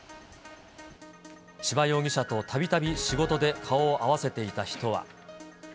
千葉容疑者とたびたび仕事で顔を合わせていた人は。